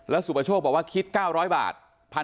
แล้วสุปโชคบอกว่าคิด๙๐๐บาท